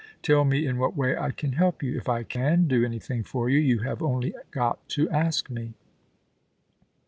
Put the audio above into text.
Tell me in what way I can help you. If I can do anything for you, you have only got to ask me.'